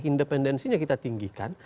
independensinya kita tinggikan